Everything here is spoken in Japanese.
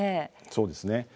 そうですね。